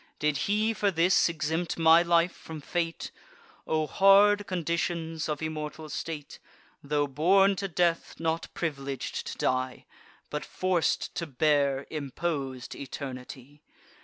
Did he for this exempt my life from fate? O hard conditions of immortal state, Tho' born to death, not privileg'd to die, But forc'd to bear impos'd eternity!